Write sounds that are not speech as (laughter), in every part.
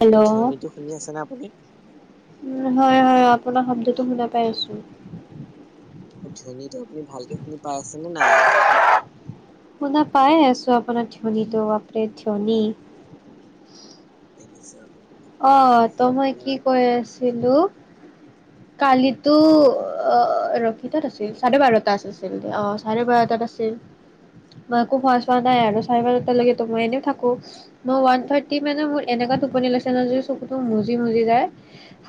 Hello ধনীটো শুনি আছে নে আপুনি উ হয় হয় আপোনাৰ শব্দটো শুনা পাই আছো ধনীটো আপুনি ভালকে শুনি পাই আছে নে নাই শুনা পাইে আছো আপোনাৰ ধনীটো বাপৰে ধনী এজ অ তো মই কি কৈ আছিলো কালিতো ৰখিতাত আছিল চাৰে বাৰটা আছিল অ চাৰে বাৰটাত আছিল মই একো খোৱা চোৱা নাই আৰু চাৰে বাৰটকেতো মই এনেও থাকো মই ওৱান থাৰ্টি মানে মোৰ এনেকুৱা টোপনি লৈছে ন চকুত মুজি মজি যায়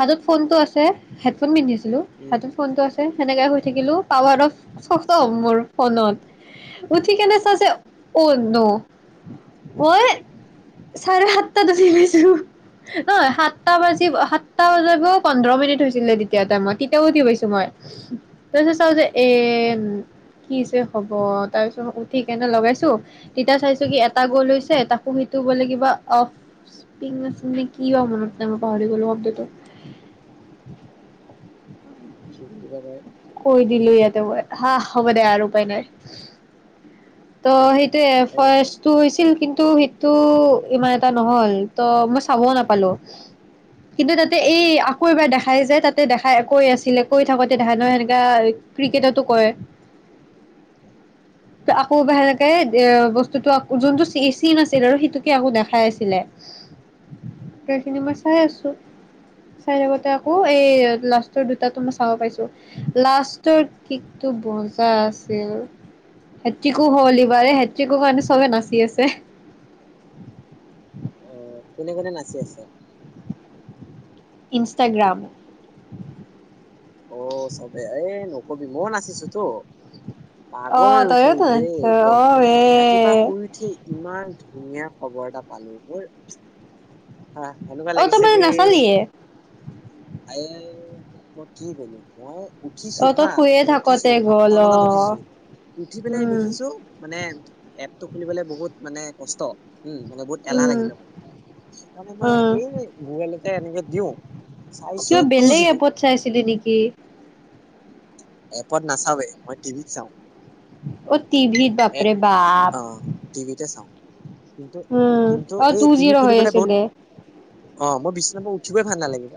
হাতত ফোনটো আছে হেডফোন পন্ধিছে উম সটোত ফোনটো আছে সেনেকে হৈ থাকিলো পাৱাৰ অফ সষ্টম মোৰ ফোনত উঠি কেনে চাইছে অন মই চাৰে সাতটাাত উঠি গৈছো নহ সাতটা বাজিব সাতটা বজাব পোন্ধৰ মিনিট হৈছে ে তেতিয়া তাই মই তেতিয়াও উঠি পাইছো মই তাৰপিছত চাও যে এ কি হৈছে হ'ব তাৰ পিছত উঠি কেনে লগাইছো তেতিয়া চাইছো কি এটা গল হৈছে তাকো সেইটো বোলে কিবা অফিে কি মনত নাই মই পাহৰি গলো শব্দটো বুলি ভাবায় (inaudible) দিলিলৈ আ ত হা ব দোই ইাৰপাই নাই ত সেই হয় নেকি? ফৰেষ্টটো হৈছিল কিন্তু তটো সেইটো ইমান এটা নহল ত মই চাবও নাপালো কিন্তু তাতে এই আকৌ এবাৰ দেখাই যে তাতে দেখাই কৈ আছিলে কৈ থাকোতে দেখা নহয় সেনেকা ক্ৰিকেটতো কয়। খুব বেকে বস্তুটো যোনটো চিন আছিল আৰু সেইটোকে আকৌ দেখাই আছিলে সেইখিনি মই চাই আছো চাই লগতে আকৌ এই লাষ্টৰ দুটাো মই চাব পাইছো লাষ্টৰিকটো বজা আছিল। টিকো হ'ল এইবাৰে হটিকো কাৰণে চবে নাচি আছে। অ কোনে কোনে নাচি আছে। ইনষ্টাগ্ৰাম। অ' চবে এ নকবি। মই নাচিছো তো অ পাগলৈ গৈছো তইয়োতো নাচ দেই একদম অ এ ৰাতিপুৱা শুই উঠি ইমান ধুনীয়া। খবৰ এটা পালোঁ‌ মোৰ। হা এনেকুৱা অ তই লাগিছে মানে কি? নাচালিয়ে আ মই কি ক'লো মই উঠিছো অ তই হা শুয়ে ম উঠিছো থাকোতে সাতটা গ'ল অ মানত উঠিছো উঠি পেলাই উম দেখিছো মানে এপতটো খুলিবলৈ বহুত মানে। কস (inaudible) উম মানে বহুত এলাহ উম লাগিলে মোৰ। ণে মই উম এই গুগলতে এনেকে দিওঁ চাইছো কিবা টু বেলেগ জিৰ' এপত চাইছিলি নেকি? এপত নাচাওেই মই টিভিত চাওঁ। অ' তি ভত এ বাপৰে অ বাপ টিভিতে চাওঁ কিন্তু উম কিন্তু অ এই টু টিভি জিৰ' হৈ খুলিবলৈ বহুত আছিলে অ মই বিশ উঠিবে ভাল ন লাগিব?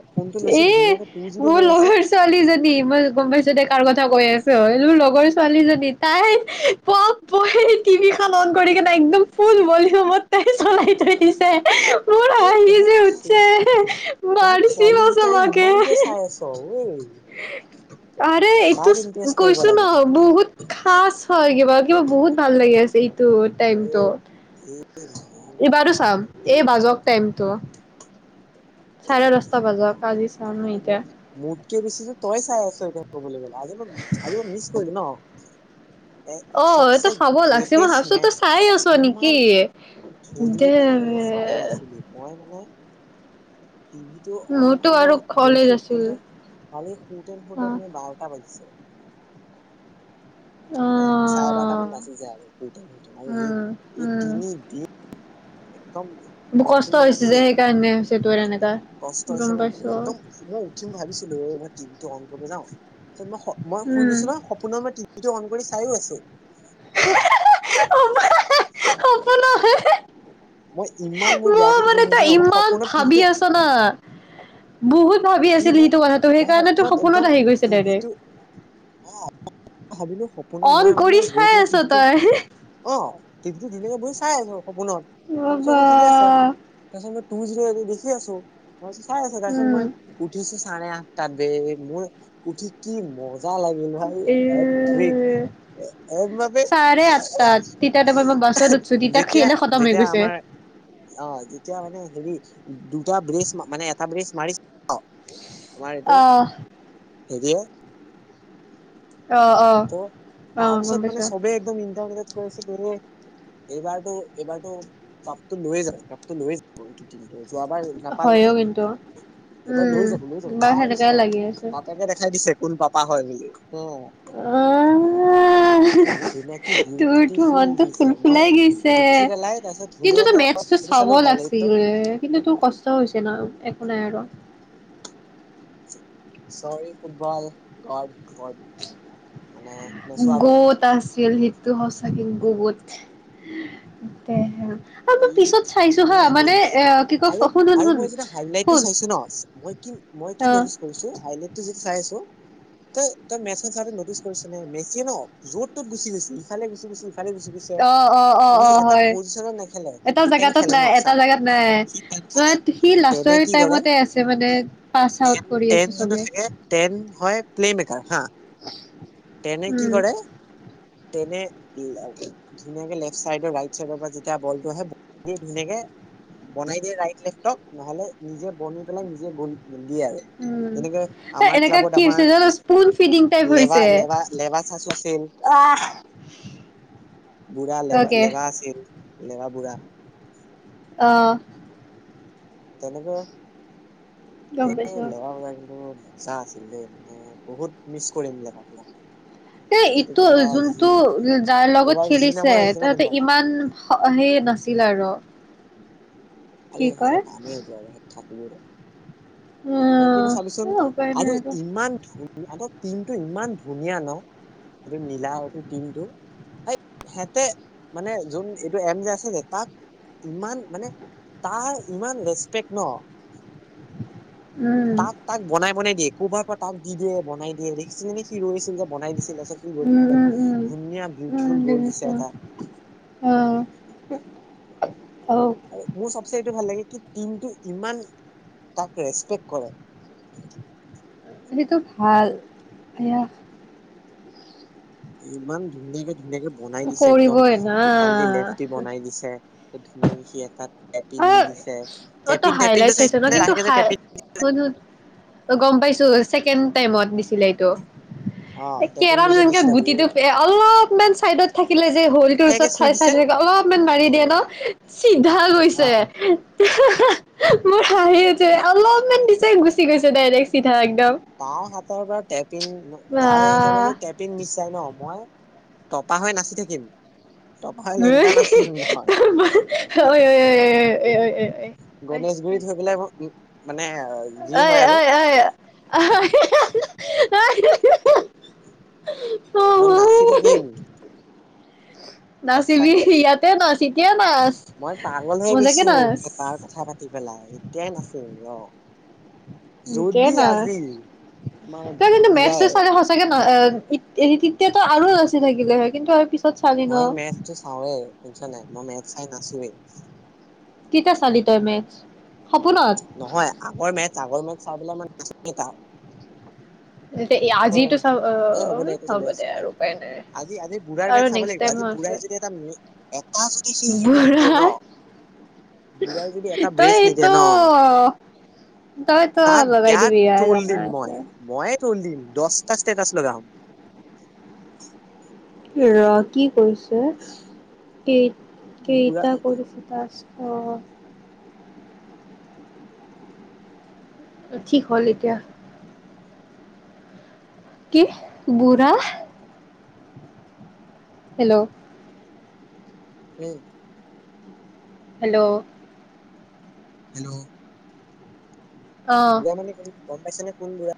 এ মোৰ লগৰ ছোৱালীজনী মই গম পাইছোতে কাৰ কথা কৈ আছো। লো লগৰ ছোৱালীজনী তাই প প টিভিখন অন কৰি কিনে একদম ফুল ভলিউমত তাই চলাই থৈ দিছে। মোৰ ঐ আহ তহঁত যে উ তহঁত মাৰি ছোৱালী কেইটাই ইমানকে চাই আছ ঐ আৰে এইটো কাক ইমপ্ৰেছ কৰিব কৈছো ন লাগে তহঁতে বহুত খচ হয় কিবা কিবা বহুত ভাল লাগে। আছে এইটো টাইমটো এই এইবাৰো চাম কি এই মানে বাজক টাইমটো চাৰে দশটা বাজা কজি চাওঁ ম এতিয়া ক বেছিছ তই চাই আছ এ কমলে আজি ম আজি মই মিছ কৰিলি ন এ অ এইটো চবচে চাব লাগছি মই গ্ৰেটেষ্ট ভাবছো তই মেচ চাই আছ ইমান নেকি দে ধনীৰে চাই আছিলো মই মানে টিভি টো অন মোৰতো কৰিব আৰু কলেজ গৈছো আছিল কিন্তু কালি সুটন অ সুটনে বাৰটা বাজিছে। অ চাৰে বাৰটা মান বাজি যায় আৰু এই, উম এই উম তিনি দিন একদম মোৰ কষ্ট হৈছে যে কণ্টিনিয়াছলি সেইকাৰণে হৈছে তোৰ এনেকা কষ্ট গম হৈছে। মই পাইছো একদম মই, উঠিম ভাবিছিলোঁ। এইবাৰ টিভি (unintelligible) মই, মই শুই উম গৈছোঁ ন' সপোনত মই সেইটো অন কৰি চাইও আছোঁ। (unintelligible) মই ইমান মোৰ মই বেয়াকে টোপনি মানে, ধৰিছে তই ন মই ইমান সপোনত ভাবি টিভিটো আছ না বহুত ভাবি কি আছিলি মই সেইটো কথাটো! মই সেইকাৰণেটো সপোনত একদম আহি গৈছে দাইৰেক। ভাবিলোঁ সপোনত মই মানে, গৈ চাই পেলাই আছ টিভিটো, তই অ'! টিভিটো ধুনীয়াকে বহি চাই আছোঁ। সপোনত, ভাবিছোঁ বাবা অ'! ঠিকে আছে। তাৰপিছত (unintelligible) দেখি আছোঁ। মই চাই আছে। তাৰপিছত উম মই উঠিছে চাৰে আঠটা বে। মোৰ উঠি কি ম জা লাগিল ভাই! এৰ এইবাবে চাৰে আঠটাত তেতিয়া তাৰপৰা মই বাছত উঠছো তেতিয়া যেতিয়া, খেলে খতম হৈ যেতিয়া গৈছে। আমাৰ অ'! যেতিয়া মানে হেৰি এটা ব্ৰিজ মানে, এটা ব্ৰিজ মাৰি অ'! আমাৰ এইটো অ হেৰিয়ে অ ত' অ গম তাৰপিছত মানে, পাইছো চবে একদম ইণ্টাৰনেটত কৈ আছিল (unintelligible) এইবাৰতো, এইবাৰতো পাপটো লৈ যাব পাপটো লৈ যাব এইটো। যোৱাবাৰ নাপাল হয়ও কিন্তু নহয়। এইবাৰ লৈ যাব, লৈ উম বা সেনেকাই লাগি যাব। আছে। (unintelligible) দেখাই দিছে। কোন পাপা হয় বুলি? অ (unintelligible) অঁ! কি ধুনীয়া কি তোৰ তো বিউটিফুল মনটো দিছে ফুল মই ফুলাই গৈছে। উঠি পেলাই তাৰপিছত কিন্তু, তোৰ ধুনীয়াকে মেথছটো অলপ চালো চাব হাইলাইটটো লাগিছিল। কিন্তু, তোৰ কষ্ট হৈছে ন'! ওলায় আৰু। চৰি ফুটবল গড! (unintelligible) মানে নেচোৱা বাবে। সচাঁকে বহুত (unintelligible) কি ধুনীয়া গল দিছে কি কয় আৰু শুন শুন আৰু শুন মই যেতিয়া হাইলাইটটো শুন চাইছোঁ ন', মই কি মই কি নটিচ কৰিছোঁ হাইলাইট যদি চাই আছোঁ তই, তই মেটচ চাই নটিচ কৰিছ নে, মেছিয়ে ন' য'ত তত গুচি গৈছে, ইফালে গুচি গৈছে। ইফালে গুচি গৈছে। অ অ অ অ মানে, অ এটা হয় পজিচনত না এটা সিটেন জেগাতত খেলে ন নাই চ এটা জেগাত নাই সি টেন খে মানে সি টেনে লাষ্টৰ কি টাইমতে আছে মানে পাছ আউট কৰেটন কৰি টেন আছে জিতো চবে থাকে টেন হয় প্লেমেকাৰ হা। তেনে কি উম কৰে তেনে। ধুনীয়াকে লেফট চাইডৰ ৰাইট চাইডৰ পৰা যেতিয়া বলটো আহে দিয় ধুনীয়াকে বনাই দিয়ে ৰাইট লেফটক নহলে নিজে বনি পেলাই নিজে গল। দিয়ে আৰু উ তেনেকে আমাৰ এনেকা ক্লাবত কি আমাৰ হৈছে ধ স্পন ফিডিং টাইপ লেবা হৈছে? লেবা লেবা চাচ আছিল আহ বুঢ়া লেবা অকে লেবা আছিল? লেৱা বুঢ়া। আহ তেনেকে। গম এই পাইছো লেবা বাই কি। মজা আছিল দেই মানে বহুত মিছ কৰিম ব কবিলাক। এ ইটো যোনটো যাৰ লগত এইবাৰ যি খেলিছে নামৰ আহিছে ন তহতে কোনোবা এটা ইমান হে নাছিল। উলাউ ৰ। আৰে সিহঁৰ কাম সেইটো আৰু সহত থাকিলো জানো। তই কিন্তু আহ চাবিচোন এ উপায় নাই আৰু ইমান ধুনীয়া। টিমটো ইমান ধুনীয়া ন এইটো নীলা এইটো টিমটো স সিহঁতে মানে যোন এইটো এম যে আছে যে তাক ইমান মানে তাৰ ইমান ৰেচপেক্ট ন। উম তাক তাক বনাই বনাই দিয়ে। ক'বাৰ পৰা তাক দি দিয়ে বন দিয়ে দেখিছিলে নে কি ৰৈ। যে বনাই দিছিল কি গল উম উম উম ধুনীয়া উম বিউটিফুল গ'ল দিছে এটা। উ মোৰ চবচে এইটো ভাল লাগে। কি টমটো ইমান তাক ৰেচপেক্ট কৰে। সেইটো ভাল এয়া। ইমান ধুন্দিকে। সুনেকে বনাই দিছে একদম কৰিবই না ইফাল দি লেফট দি বনাই দিছে। ধুনীয়াকেষি এটাতাক। অ অ তো হাইলাইট চাইছে ন নে লাহেকে যে কিন্তুাই টেপিন শুন শুন গম পাইছো? ছেকেড টাইমত। টো অ কেৰম টেপিনটো যে যেনেকে দিছিলে উ গুটিটো অলপমান চাইডত থাকিলে যে হলটোৰ লাহেকে চুই ওচৰতাই চাই দিছে থাকে অলপমান মাৰি দিয়ে গ'ল ন চিধাৈ। উ আ আ অ আ উম । খাঁিে যে অলপমান। গুচি গৈছে ডাইৰেক্ট চিধাক। তাৰ হাতৰ পৰা টেপিন তাৰচ টেপিন নিশ্চাই ন মই। তপা হৈ নাচি থাকিম। টপা এ হৈ লেংটা হঁ-হঁ-হঁ-হঁ-তাৰ নাচিম মান- মই ঐ ঐ ঐ - ঐ - ঐ গণেশগুৰিত হৈ পেলাই আক' ঐ- ঐ - ঐ অ' হঁ-হঁ-হঁ। হঁ-হঁ-হঁ-হঁ মই নাচি থাকিম। নাচিবি সঁচাকে । ইয়াতে নাচি মই পাগল হৈ গৈছোঁ। নাচ থেতাৰ কথা পাতি পেলাই, এতিয়াই নাচিম ৰ'। ঠিকেই যদি নাচ আজি । আমাৰ তই কিন্তু বুঢ়াই মেছ-ছেছ চাগে সঁচাকে ন' এই এৰি তেতিয়াতো আৰু নাচি থাকিলে হয় ।‌ কিন্তু আৰু পি মই মেথটো চাওঁৱে, শুনিছ নাই? মই মেথ চাই চোৱে। কেতিয়া চালি তই মেতছ? নহয় । আগৰ মেতছ- আগৰ মে চাবলে মন (unintelligible) আজিতো অ' চাব এ হ'ব দে তো চলি আছে, দে চলে আৰু । উপায় নাই আজি- আজিৰ বুঢ়াৰ আৰু মেচ চাব নেক্সট লাগিব । টাইমো আজি আছে বুঢ়াই যদি এটা- এটা যদি সি হেৰি বুঢ়া নিদিয়ে ন', বুঢ়াই যদি এটা ব্ৰেজ নিদিয়ে তইতো ন' তইতো তাক লগাই বেয়া দিবি আৰু, ট্ৰল জানা দিম মই আছে। মইয়ে ট্ৰ'ল দিম। দশটা ষ্টেটাছ লগাম। ৰ' কি কৰিছ (inaudible) কি? বুঢ়া কেইটা কৰিছ তাৰপিছ অ'। ঠিক হ'ল এতিয়া। কি? বুঢ়া? হেল্ল'? উম। হেল্ল'? হেল্ল'? অ বুঢ়া মানে কো গম পাইছে নে কোন বুঢ়া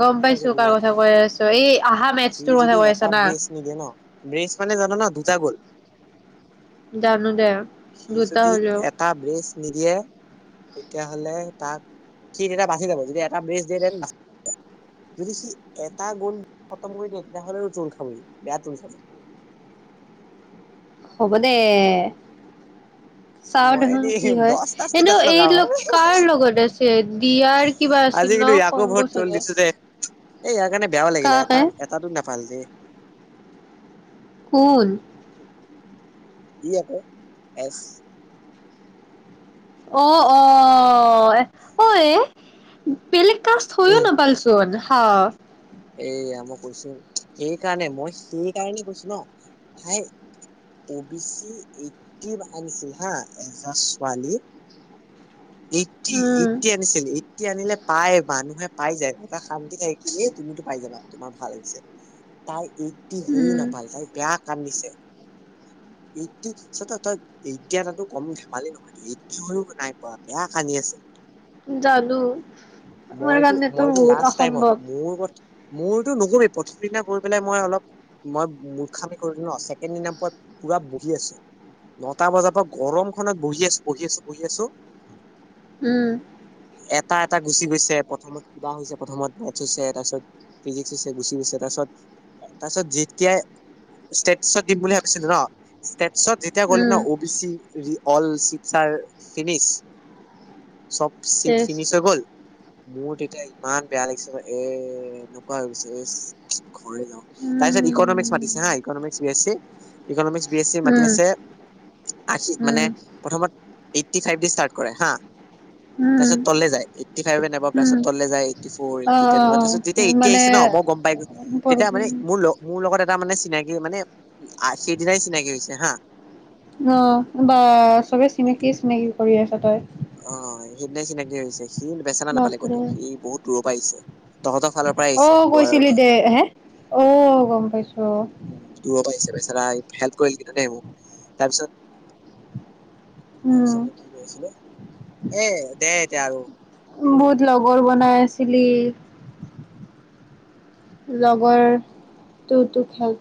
গম পাইছোঁ কাৰ বুঢ়া কথা কৈ আছ। তই এ আহা মেচটোৰ কথা কৈ আছা না। ব্ৰেইজ মানে জান ন দুটা গ'ল। জানোঁ দে। সি দুটা যদি হ'লেও এটা ব্ৰেজ- নিদিয়ে তেতিয়া হ'লে তাক সি তেতিয়া বাচি যাব। যদি এটা বেচ দিয়ে তেন যদি সি এটা গোল খতম কৰি দিয়ে তেতিয়া হ'লে টোল খাবই বেয়া টোল খাব। হ'ব দে। চাওঁ মই দেখোন দেই কি হয় দহটা এনে ষ্টেটাচ এই লগাও কাৰ লগত আছে দিয়াৰ কিবা আছিল আজি ন কিন্তু ইয়াকো কংগূ বহুত ট্ৰল চাগে। দিছো দে। এই ইয়াৰ কাৰণে। বেয়াও লাগিলে কাকে এটা এটাতো নেপাল দেই। সোন ই আকৌ এছ। অ অ ঐ বেলেগ কাষ্ট হয়ও নেপালেচুন। অ। এয়া মই কৈছোঁ সেইকাৰণে মই সেই কাৰণেই কৈছোঁ ন ভাই অ বি চি এইটিভ আনিছিল হা এজা ছোৱালীয়ে। এটি উম, এটি আনিছিল এটিয়া আনিলে পায় মানুহে। পাই যায় এটা খাম। থাকে কি এ তুমিতো পাই যাবা। তোমাৰ ভাল লাগিছে তাই। এটটি হৈয়ও উম, নাপালে তাই বেয়া। কান্দিছে। এইটটি পিছত তই এতিয়া এ তাতো কম ধেমালি নহয়ত এইটটি হৈও নাই পোৱা বেয়া কানি আছে। জানোঁ। মইতো মইতো লাষ্ট টাইমত অসম্ভৱ মোৰ কথা। মোৰতো নকবি প্ৰথম দিনা গৈ পেলাই মই অলপ মই মুৰ্খামি কৰিলোঁ ন ছেকেণ্ড দিনা মই পুৰা বহি আছোঁ ।নটা বজাৰ পৰা গৰমখনত বহি আছোঁ বহি আছোঁ বহি আছোঁ। উম। এটা এটা গুচি গৈছে প্ৰথমত কিবা হৈছে প্ৰথমত মেথছ হৈছে তাৰপিছত ফিজিক্স হৈছে গুচি গৈছে তাৰপিছ তাৰপিছত যেতিয়াই ষ্টেটছত দিম বুলি ভাবিছিলোঁ ন ষ্টে- পিছত যেতিয়া গ'লে ন উম, অ বি চি। অল চিচাৰ ফিনিছ। চব চিকচ। চেচ চ গ'ল মোৰ তেতিয়া ইমান বেয়া লাগিছে ন এ এনেকুৱা হৈ গৈছে ইছ। ঘৰে যাওঁ তাৰ পিছত ইকনমিক্স উম, মাতিছে হা ইকনমিক্স হৈ আছে। ইকনমিক্স। বি এ চি মাতি উম, আছে আশী উম, মানে প্ৰথমত- এইটটি ফাইভ দি ষ্টাৰ্ট কৰে হা। তা উম, পিছত। তলে যায় এইটি ফাইভোৰিছত উম, তলে যায় এইট ফট অ', তাৰপাছত অ', যেতিয়া মানে ন অ', মই গমাইো তেতিয়া মানে মোৰ লগ মোৰ লগ। (unintelligible) টা মানে চিনাকি মানে, সেইদিনাই চিনাকি হৈছে হা। অ, বা চবে চিনাকি চিনাকি কৰি আছ তই। অ, সেইদিনা চিনাকি হৈছে সি বেচানা নাপালে কতো বাপৰে সি বহুত দূৰ পৰা আহিছে। তহঁতৰ ফালৰ পৰা অ, আহিছে লোৱাৰৰ কৈছিলি পৰা। দে হে অ, গম পাইছো। উ দূ পৰা চেল (unintelligible) কৰিল কিন্তু দেই মোক তাৰপিছত। তাৰপিছত উম, মই কি কৰিছিলো, এ দে। তেতিয়া আৰু। উম বহুত লগৰ বন। বনাই আছিলি লগৰ তটোতো খেল।